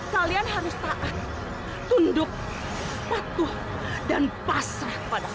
kalian harus tahan tunduk patuh dan pasrah kepadamu